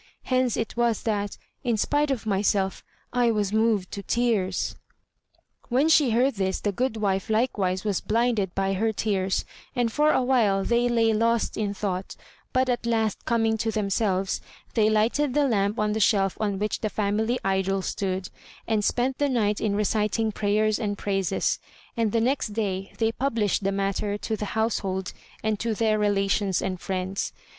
Hence it was that, in spite of myself, I was moved to tears." When she heard this, the goodwife likewise was blinded by her tears, and for a while they lay lost in thought; but at last, coming to themselves, they lighted the lamp on the shelf on which the family idol stood, and spent the night in reciting prayers and praises, and the next day they published the matter to the household and to their relations and friends.